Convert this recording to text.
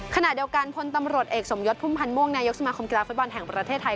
ขณะเดียวกันพลตำรวจเอกสมยศพุ่มพันธ์ม่วงนายกสมาคมกีฬาฟุตบอลแห่งประเทศไทย